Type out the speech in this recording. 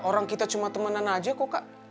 orang kita cuma temanan aja kok kak